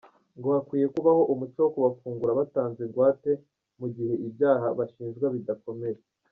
Ngo hakwiye kubaho umuco wo kubafungura batanze ingwate mu gihe ibyaha bashinjwa bidakomeye.